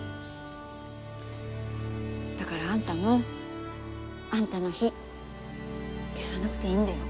だからあんたもあんたの火消さなくていいんだよ。